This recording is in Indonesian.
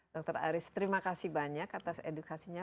dr aris terima kasih banyak atas edukasinya